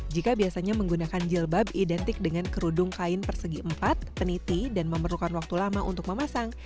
jika biasanya menggunakan jilbab identik dengan kerudung kain persegi empat peniti dan memerlukan waktu lama untuk memasang